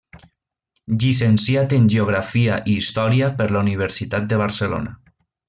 Llicenciat en Geografia i història per la Universitat de Barcelona.